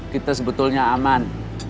kita sebetulnya aman